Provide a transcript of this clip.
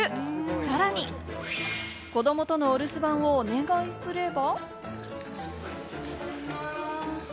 さらに、子どもとのお留守番をお願いすれば。